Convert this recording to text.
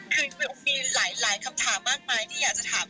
คือมีหลายคำถามมากมายที่อยากจะถาม